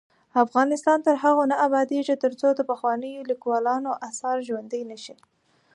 افغانستان تر هغو نه ابادیږي، ترڅو د پخوانیو لیکوالانو اثار ژوندي نشي.